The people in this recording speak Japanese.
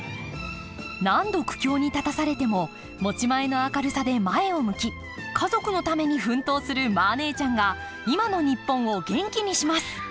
何度苦境に立たされても持ち前の明るさで前を向き家族のために奮闘するマー姉ちゃんが今の日本を元気にします！